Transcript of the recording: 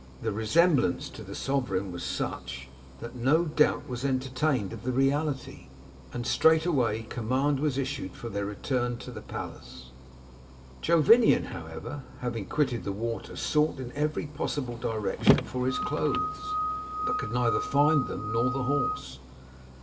The resemblance to the sovereign was such, that no doubt was enter 247 Curiosities of Olden Times tained of the reality ; and straightway command was issued for their return to the palace. "Jovinian, however, having quitted the water sought in every possible direction for his clothes, but could find neither them nor the horse.